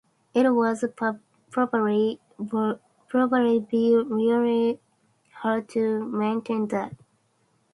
It would probably be really hard to maintain that.